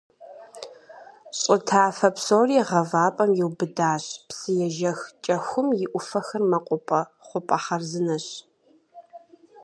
Щӏы тафэ псори гъавапӀэм иубыдащ, псыежэх КӀэхум и Ӏуфэхэр мэкъупӀэ, хъупӀэ хъарзынэщ.